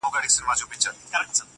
• زه لرمه کاسې ډکي د همت او قناعته,